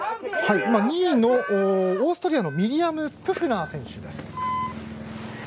２位のオーストリアのミリアム・プフナー選手です。